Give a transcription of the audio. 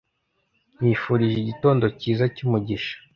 Nkwifurije igitondo cyiza cyumugisha